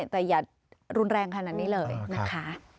แต่อย่ารุนแรงขนาดนี้เลยนะคะ